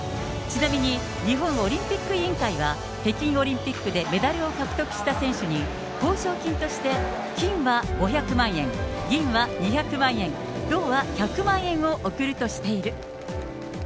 ちなみに、日本オリンピック委員会は、北京オリンピックでメダルを獲得した選手に、報奨金として金は５００万円、銀は２００万円、銅は１００万円を贈るとしている。